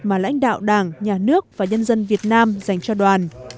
mà lãnh đạo đảng nhà nước và nhân dân việt nam dành cho đoàn